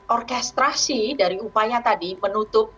orkestrasi dari upaya tadi menutup